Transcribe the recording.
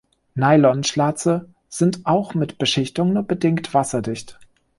Nylon-Schlaze sind auch mit Beschichtung nur bedingt wasserdicht.